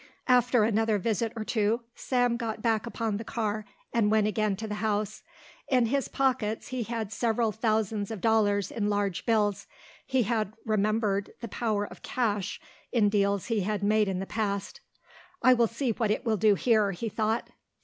After another visit or two Sam got back upon the car and went again to the house. In his pockets he had several thousands of dollars in large bills. He had remembered the power of cash in deals he had made in the past. "I will see what it will do here," he thought.